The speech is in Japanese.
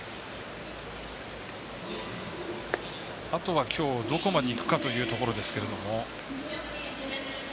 あとはきょう、どこまでいくかというところですが。